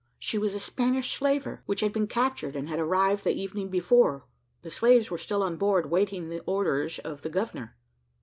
She was a Spanish slaver, which had been captured, and had arrived the evening before. The slaves were still on board, waiting the orders of the governor.